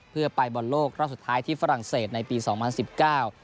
เพื่อไปบอลโลกรอบสุดท้ายที่ฝรั่งเศสในปีสองพันสิบเก้า